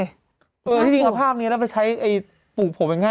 เออพี่น้าภาพนี้เราไปใช้ปรุกผม